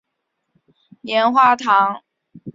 棉花糖源自古埃及。